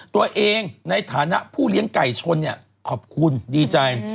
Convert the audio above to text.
ในฐานะผู้เลี้ยงไก่ชนขอบคุณดีใจ